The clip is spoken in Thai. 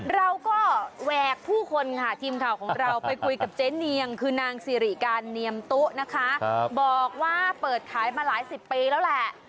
เราก็แหวกผู้คนค่ะทีมข่าวของเราไปคุยกับเจ๊เนียงคือนางสิริการเนียมตุ๊นะคะบอกว่าเปิดขายมาหลายสิบปีแล้วแหละ